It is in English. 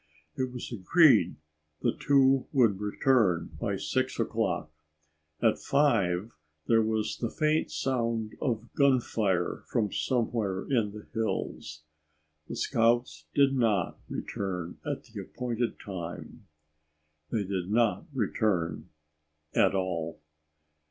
It was agreed the two would return by 6 o'clock. At 5 there was the faint sound of gunfire from somewhere in the hills. The scouts did not return at the appointed time. They did not return at all.